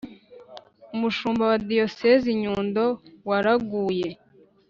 umushumba wa diyosezi ya nyundo waraguye